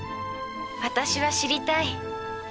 私は知りたい。